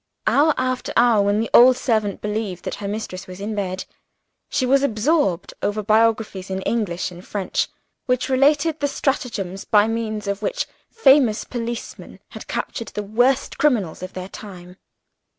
Hour after hour, when the old servant believed that her mistress was in bed, she was absorbed over biographies in English and French, which related the stratagems by means of which famous policemen had captured the worst criminals of their time.